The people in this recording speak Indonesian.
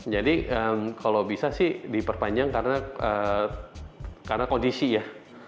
jadi kalau bisa sih diperpanjang karena kondisi ya